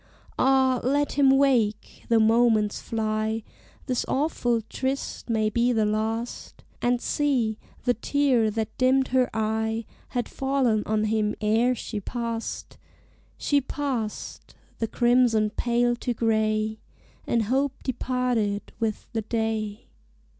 Ah, let him wake! The moments fly: This awful tryst may be the last. And see, the tear, that dimmed her eye, Had fallen on him ere she passed She passed: the crimson paled to gray: And hope departed with the day.